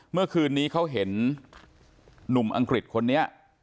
เมื่อคืนนี้เขาเห็นหนุ่มอังกฤษคนนี้